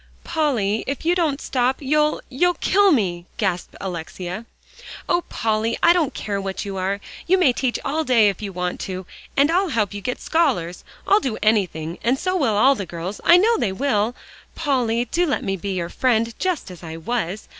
"Polly, if you don't stop, you'll you'll kill me," gasped Alexia. "Oh, Polly! I don't care what you are. You may teach all day if you want to, and I'll help get you scholars. I'll do anything, and so will all the girls; I know they will. Polly, do let me be your friend just as I was.